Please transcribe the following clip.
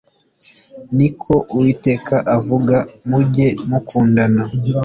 Ni ko Uwiteka avuga mujye mukundana